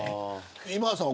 今田さん